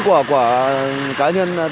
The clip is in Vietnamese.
của cá nhân